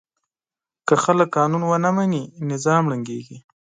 که خلک قانون ونه مني، نظام ړنګېږي.